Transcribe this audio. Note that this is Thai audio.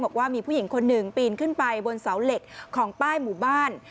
บอกว่ามีผู้หญิงคนหนึ่งปีนขึ้นไปบนเสาเหล็กของป้ายหมู่บ้าน